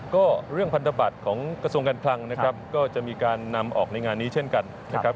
ก็เรื่องพันธบัตรของกระทรวงการคลังนะครับก็จะมีการนำออกในงานนี้เช่นกันนะครับ